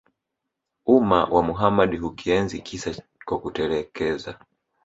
umma wa Muhammad Hukienzi kisa kwa kutekeleza